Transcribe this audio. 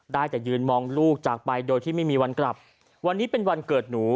ได้แต่ยืนมองลูกจากไปโดยที่ไม่มีวันกลับวันนี้เป็นวันเกิดหนู